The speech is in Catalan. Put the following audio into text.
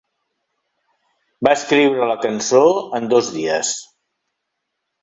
Va escriure la cançó en dos dies.